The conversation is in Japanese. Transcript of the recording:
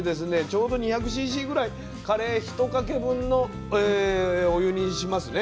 ちょうど２００ｃｃぐらいカレー１かけ分のお湯にしますね。